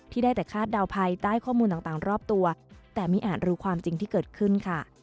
ได้แต่คาดเดาภัยใต้ข้อมูลต่างรอบตัวแต่ไม่อาจรู้ความจริงที่เกิดขึ้นค่ะ